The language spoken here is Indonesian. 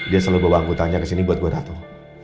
dia selalu bawa anggota aja kesini buat gue tatuh